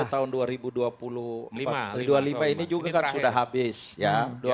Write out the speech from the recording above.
tahun dua ribu dua puluh lima ini juga kan sudah habis ya